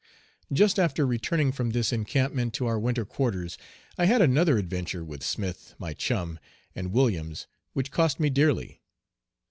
Just after returning from this encampment to our winter quarters, I had another adventure with Smith, my chum, and Williams, which cost me dearly.